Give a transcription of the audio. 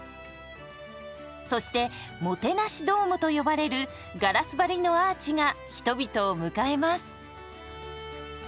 そしてもてなしドームと呼ばれるガラス張りのアーチが人々を迎えます。